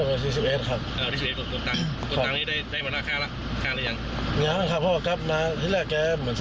มัดแขนมัดแขนไม่ได้นะครับหัวไม่ได้มัดนะครับได้มัดด้วยอ่ะ